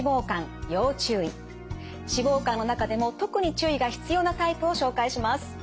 脂肪肝の中でも特に注意が必要なタイプを紹介します。